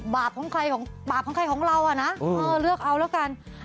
บาปของใครของเราอ่ะนะเออเลือกเอาแล้วกัน